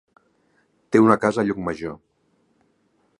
Té una casa a Llucmajor.